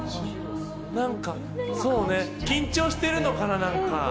何かそうね、緊張してるのかな。